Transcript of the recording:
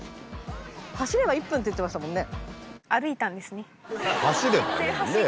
走れば１分って言ってましたもんね。